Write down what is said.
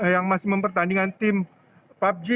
yang masih mempertandingkan tim pubg